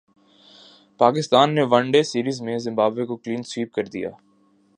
پاکستان نے one day series میں Zimbabwe کو کلین سوئپ کردیا